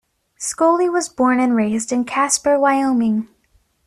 Scully was born and raised in Casper, Wyoming.